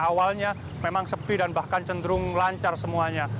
awalnya memang sepi dan bahkan cenderung lancar semuanya